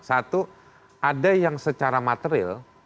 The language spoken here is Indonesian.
satu ada yang secara material